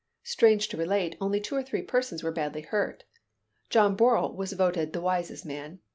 Strange to relate, only two or three persons were badly hurt. John Bourrell was voted the wisest man.